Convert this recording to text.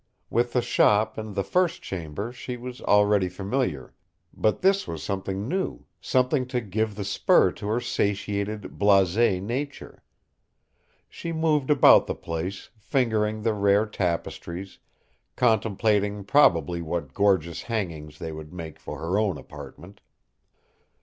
With the shop and the first chamber she was already familiar, but this was something new, something to give the spur to her satiated, blasé nature. She moved about the place, fingering the rare tapestries, contemplating probably what gorgeous hangings they would make for her own apartment.